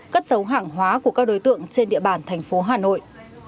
cất xấu hàng hóa của các đối tượng trên địa bàn thành phố hà nội